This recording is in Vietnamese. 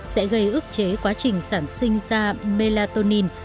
sẽ gây ức chế quá trình sản sinh ra melatonin